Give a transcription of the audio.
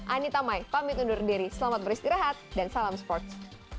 anita mai pamit undur diri selamat beristirahat dan salam sports